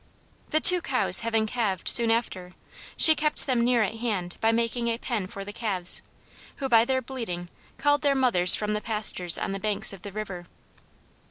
The two cows having calved soon after, she kept them near at hand by making a pen for the calves, who by their bleating called their mothers from the pastures on the banks of the river.